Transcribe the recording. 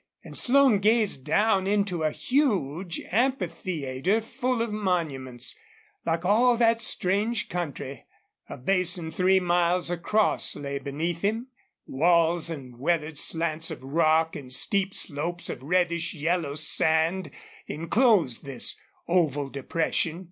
And Slone gazed down into a huge amphitheater full of monuments, like all that strange country. A basin three miles across lay beneath him. Walls and weathered slants of rock and steep slopes of reddish yellow sand inclosed this oval depression.